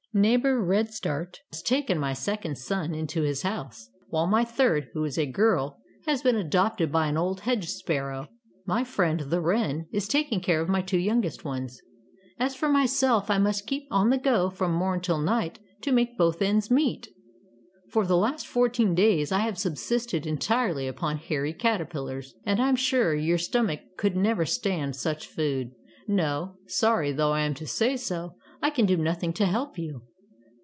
Neighbor Redstart has taken my second son into his house, while my third, who is a girl, has been adopted by an old hedge sparrow. My friend, the wren, is taking care of my two youngest ones. As for myself, I must keep on the go from morn till night to make both ends meet. For the last four teen days I have subsisted entirely upon hairy caterpillars, and I am sure your stomach could never stand such food. No, sorry though I am to say so, I can do nothing to help you.